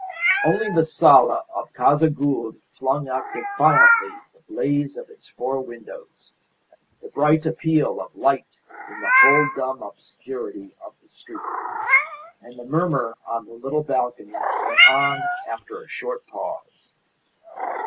Only the sala of the Casa Gould flung out defiantly the blaze of its four windows, the bright appeal of light in the whole dumb obscurity of the street. And the murmur on the little balcony went on after a short pause.